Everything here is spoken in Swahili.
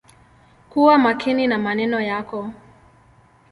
Kuwa makini na maneno yako.